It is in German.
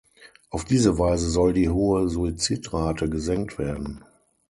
Auf diese Weise soll die hohe Suizidrate gesenkt werden.